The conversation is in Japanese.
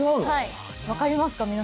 はいわかりますか？